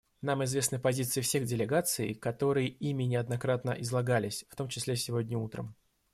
Нам известны позиции всех делегаций, которые ими неоднократно излагались, в том числе сегодня утром.